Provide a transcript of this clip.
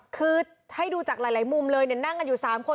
คือให้ดูจากหลายมุมเลยนั่งกันอยู่๓คน